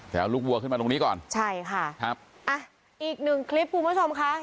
เดี๋ยวลูกวัวขึ้นมาตรงนี้ก่อนใช่ค่ะอีกหนึ่งคลิปคุณผู้ชมค่ะ